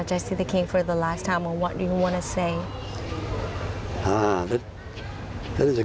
สถานที่สุดคุณจะทำอะไรหรืออยากบอกอะไรให้พระเจ้า